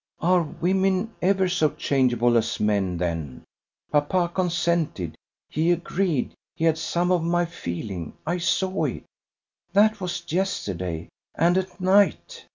"Are women ever so changeable as men, then? Papa consented; he agreed; he had some of my feeling; I saw it. That was yesterday. And at night!